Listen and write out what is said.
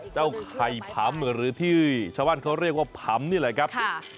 ไข่ผำหรือที่ชาวบ้านเขาเรียกว่าผำนี่แหละครับ